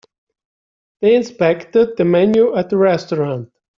They inspected the menu at the restaurant.